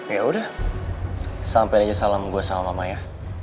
yaudah sampein aja salam gue sama mama ya